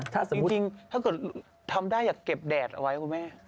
ถ้าจริงถ้าเกิดทำได้อยากเก็บแดดเอาไว้คุณแม่